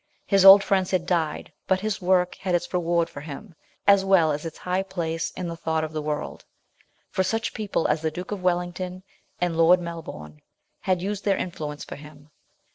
His old friends had died, but his work had its reward for him, as well as its place in the thought of the world, for such people as the Duke of Wellington and Lord Melbourne had used their influence for him.